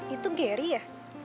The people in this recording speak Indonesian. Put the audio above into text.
itu gary ya